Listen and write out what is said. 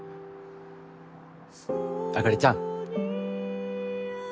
あかりちゃん